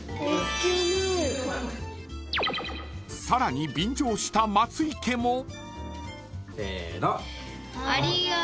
さらに便乗した松井家も。